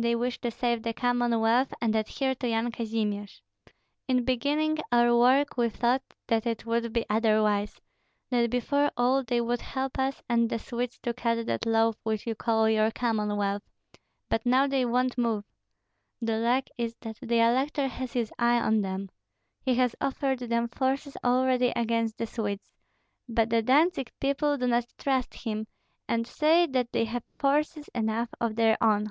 They wish to save the Commonwealth and adhere to Yan Kazimir. In beginning our work we thought that it would be otherwise: that before all they would help us and the Swedes to cut that loaf which you call your Commonwealth; but now they won't move! The luck is that the elector has his eye on them. He has offered them forces already against the Swedes; but the Dantzig people do not trust him, and say that they have forces enough of their own."